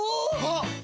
あっ！